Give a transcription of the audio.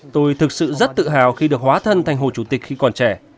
tôi thực sự rất tự hào khi được hóa thân thành hồ chủ tịch khi còn trẻ